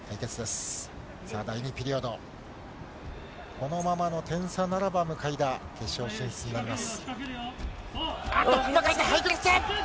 このままの点差ならば、向田、決勝進出になります。